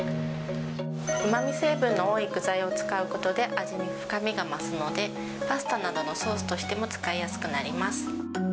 うまみ成分の多い具材を使うことで、味に深みが増すので、パスタなどのソースとしても使いやすくなります。